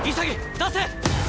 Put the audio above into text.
出せ！